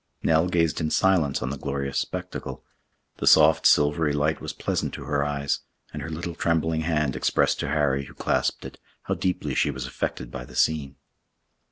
Nell gazed in silence on the glorious spectacle. The soft silvery light was pleasant to her eyes, and her little trembling hand expressed to Harry, who clasped it, how deeply she was affected by the scene.